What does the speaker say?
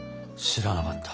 知らなかった。